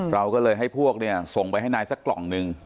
เราก็เลยให้พวกเนี่ยส่งไปให้นายสักกล่องนึง